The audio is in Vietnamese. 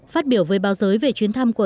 phát biểu với báo giới về chuyến thăm quân